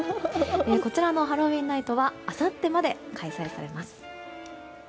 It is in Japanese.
こちらのハロウィーンナイトはあさってまで開催されます。